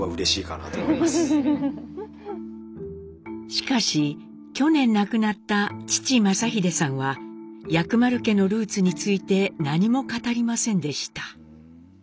しかし去年亡くなった父正英さんは薬丸家のルーツについて何も語りませんでした。